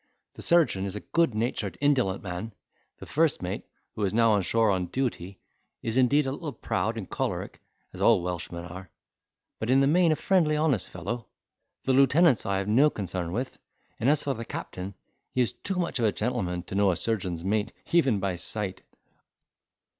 The surgeon is a good natured, indolent man; the first mate (who is now on shore on duty) is indeed a little proud and choleric, as all Welshmen are, but in the main a friendly honest fellow. The lieutenants I have no concern with; and, as for the captain, he is too much of a gentleman to know a surgeon's mate, even by sight."